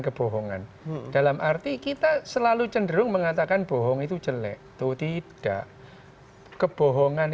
kebohongan dalam arti kita selalu cenderung mengatakan bohong itu jelek tuh tidak kebohongan